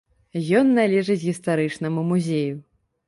Ён належыць гістарычнаму музею.